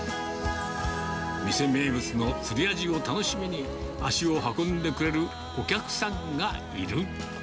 店名物の釣りアジを楽しみに、足を運んでくれるお客さんがいる。